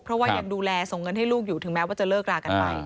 เพราะว่ายังดูแลส่งเงินให้ลูกอยู่ถึงแม้ว่าจะเลิกรากันไป